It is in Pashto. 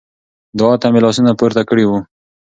دعا ته مې لاسونه پورته کړي وو.